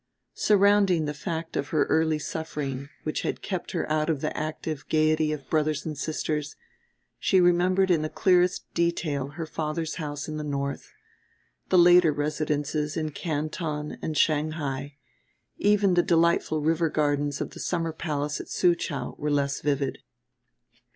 Surrounding the fact of her early suffering, which had kept her out of the active gayety of brothers and sisters, she remembered in the clearest detail her father's house in the north; the later residences in Canton and Shanghai, even the delightful river gardens of the summer place at Soochow, were less vivid.